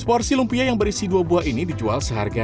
seporsi lumpia yang berisi dua buah ini dijual seharga rp lima ribu